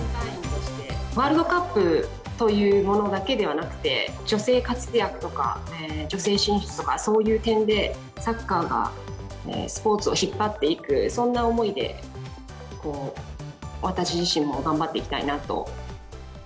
ワールドカップというものだけではなくて、女性活躍とか、女性進出とか、そういう点でサッカーがスポーツを引っ張っていく、そんな思いで、私自身も頑張っていきたいなと。